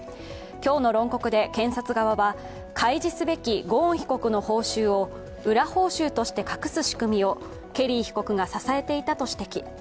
今日の論告で検察側は、開示すべきゴーン被告の報酬を裏報酬として隠す仕組みをケリー被告が支えていたと指摘。